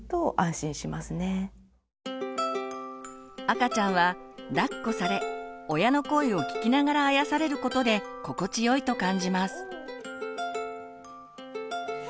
赤ちゃんはだっこされ親の声を聞きながらあやされることで心地よいと感じます。